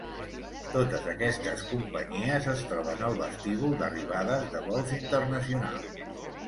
Totes aquestes companyies es troben al vestíbul d'arribades de vols internacionals.